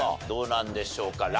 どうなんでしょうか。